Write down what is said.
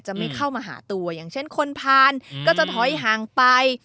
ไม่เข้ามาหาตัวอย่างเช่นคนผ่านก็จะถอยห่างไป